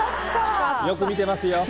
よく見てますよ。